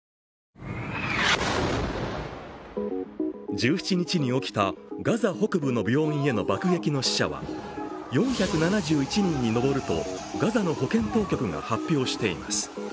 １７日に起きたガザ北部の病院への爆撃の死者は４７１人に上ると、ガザの保健当局が発表しています。